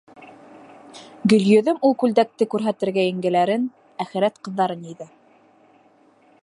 Гөлйөҙөм ул күлдәкте күрһәтергә еңгәләрен, әхирәт ҡыҙҙарын йыйҙы.